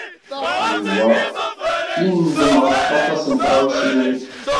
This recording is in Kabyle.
Yuba yendem ɣef waṭas n tɣawsiwin.